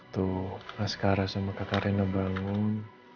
tuh mas kara sama kak karina bangun